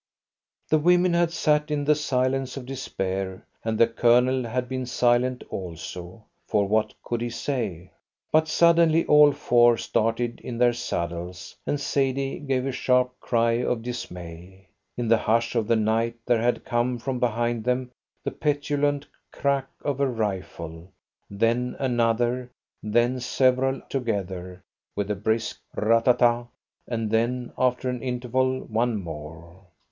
The women had sat in the silence of despair, and the Colonel had been silent also for what could he say? but suddenly all four started in their saddles, and Sadie gave a sharp cry of dismay. In the hush of the night there had come from behind them the petulant crack of a rifle, then another, then several together, with a brisk rat tat tat, and then after an interval, one more.